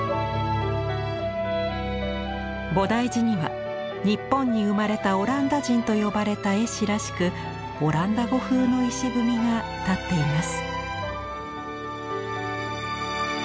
菩提寺には「日本に生まれたオランダ人」と呼ばれた絵師らしくオランダ語風の碑が建っています。